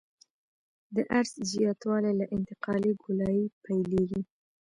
د عرض زیاتوالی له انتقالي ګولایي پیلیږي